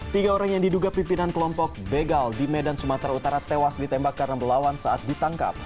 tiga orang yang diduga pimpinan kelompok begal di medan sumatera utara tewas ditembak karena melawan saat ditangkap